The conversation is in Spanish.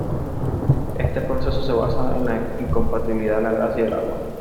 Este proceso se basa en la incompatibilidad de la grasa y el agua.